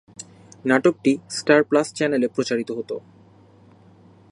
নাটকটি star plus চ্যানেলে প্রচারিত হতো।